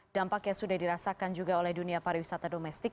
dampak yang sudah dirasakan juga oleh dunia pariwisata domestik